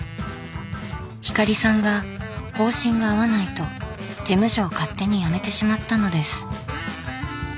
光さんが方針が合わないと事務所を勝手に辞めてしまったのです。